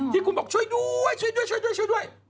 ที่คุณบอกช่วยด้วยช่วยด้วยช่วยด้วยช่วยด้วย